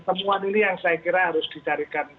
temuan ini yang saya kira harus dicarikan